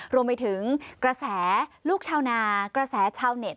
รวมไปถึงกระแสลูกชาวนากระแสชาวเน็ต